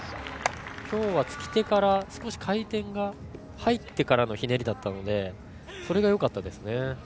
今日は、つき手から少し回転が入ってからのひねりだったのでそれがよかったですね。